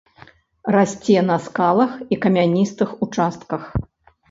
Расце на скалах і камяністых участках.